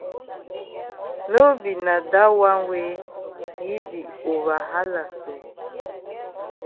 No be na dat wan wey yi di over hala so.